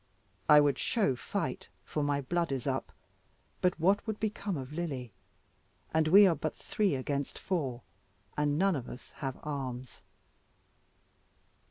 I would show fight, for my blood is up, but what would become of Lily? And we are but three against four, and none of us have arms.